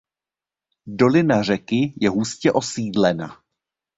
Dolina řeky je hustě osídlena.